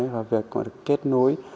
và việc cũng được kết nối